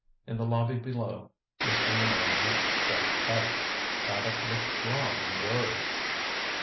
In the lobby below Mr. Minot met Jack Paddock. Paddock looked drawn and worried.